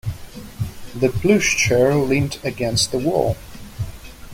The plush chair leaned against the wall.